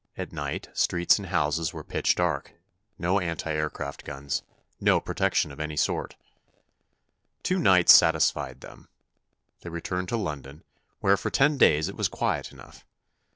At night, streets and houses were pitch dark. No anti aircraft guns. No protection of any sort. Two nights satisfied them. They returned to London, where for ten days it was quiet enough.